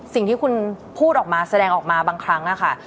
สิ่งที่คุณพูดออกมาแสดงออกมาบางครั้งค่ะ